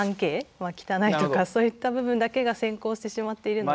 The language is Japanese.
まあ汚いとかそういった部分だけが先行してしまっているのが。